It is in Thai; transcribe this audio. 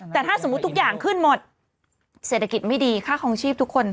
แต่ถ้าสมมุติทุกอย่างขึ้นหมดเศรษฐกิจไม่ดีค่าคลองชีพทุกคน